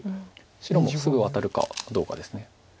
白もすぐワタるかどうかです。